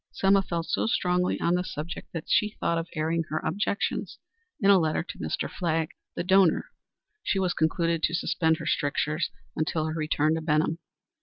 Selma felt so strongly on the subject that she thought of airing her objections in a letter to Mr. Flagg, the donor, but she concluded to suspend her strictures until her return to Benham.